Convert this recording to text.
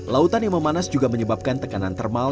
lautan yang memanas juga menyebabkan tekanan termal